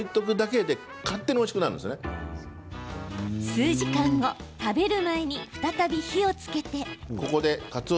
数時間後食べる前に再び火をつけて。